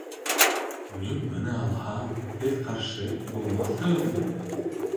Мин быны алһам, һеҙ ҡаршы булмаҫһығыҙмы?